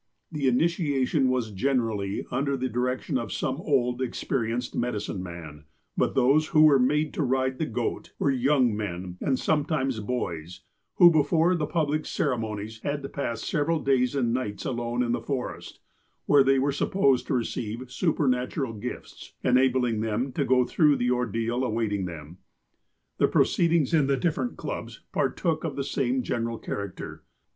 The initiation was generally under the direction of some old and experienced medicine man, but those "who were made to ride the goat " were young men, and some times boys, who, before the public ceremonies, had to pass several days and nights alone in the forest, where they were supposed to receive supernatural gifts, enabling them to go through the ordeal awaiting them. The proceedings in the different clubs partook of the same general character.